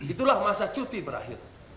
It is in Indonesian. itulah masa cuti berakhir